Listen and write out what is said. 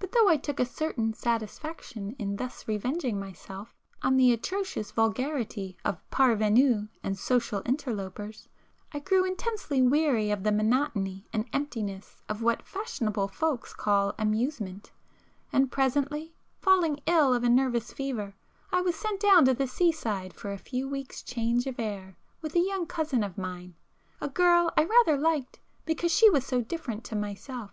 But though I took a certain satisfaction in thus revenging myself on the atrocious vulgarity of parvenus and social interlopers, I grew intensely weary of the monotony and emptiness of what fashionable folks call 'amusement,' and presently falling ill of a nervous [p 412] fever, I was sent down to the seaside for a few weeks' change of air with a young cousin of mine, a girl I rather liked because she was so different to myself.